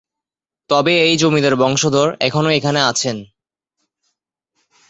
তবে এই জমিদার বংশধর এখনো এখানে আছেন।